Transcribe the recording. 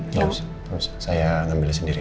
tidak usah saya ambil sendiri